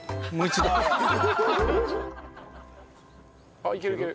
あっいけるいける。